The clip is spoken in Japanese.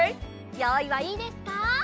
よういはいいですか？